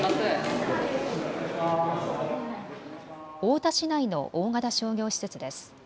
太田市内の大型商業施設です。